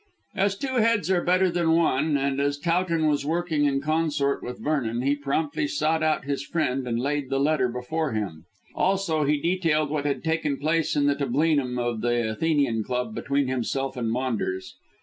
As two heads are better than one, and as Towton was working in consort with Vernon, he promptly sought out his friend and laid the letter before him. Also he detailed what had taken place in the tablinum of the Athenian Club between himself and Maunders.